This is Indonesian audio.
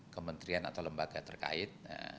kementerian atau lembaga terkait